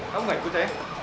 kamu nggak ikut ya